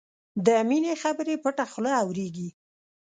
د مینې خبرې پټه خوله اورېږي